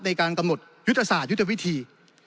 ในการกำหนดยุทธศาสตร์ยุทธวิธี